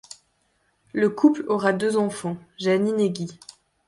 Le couple aura deux enfants, Jeannine et Guy.